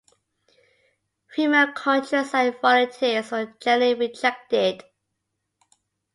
Female countryside volunteers were generally rejected.